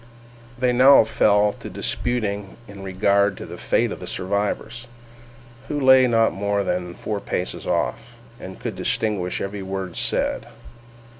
They now fell to disputing in regard to the fate of the survivors, who lay not more than four paces off, and could distinguish every word said.